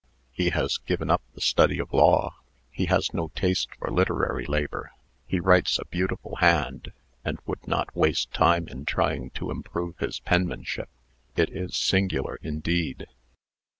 "He has given up the study of law. He has no taste for literary labor. He writes a beautiful hand, and would not waste time in trying to improve his penmanship. It is singular, indeed."